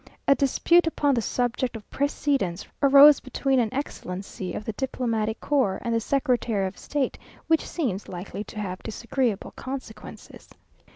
A dispute upon the subject of precedence arose between an excellency of the diplomatic corps, and the secretary of state, which seems likely to have disagreeable consequences.